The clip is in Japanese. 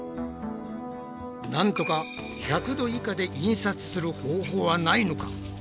なんとか１００℃以下で印刷する方法はないのか？